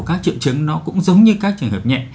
các triệu chứng nó cũng giống như các trường hợp nhẹ